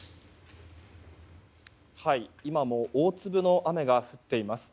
今も大粒の雨が降っています。